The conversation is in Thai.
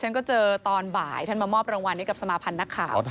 ฉันก็เจอตอนบ่ายท่านมามอบรางวัลให้กับสมาพันธ์นักข่าว